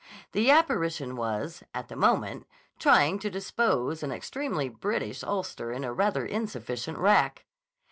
The apparition was, at the moment, trying to dispose an extremely British ulster in a rather insufficient rack.